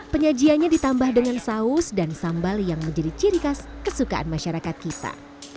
penyajiannya ditambah dengan saus dan sambal yang menjadi ciri khas kesukaan masyarakat kita